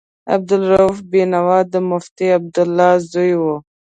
عبدالرؤف بېنوا د مفتي عبدالله زوی و.